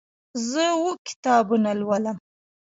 زه اوه کتابونه لولم.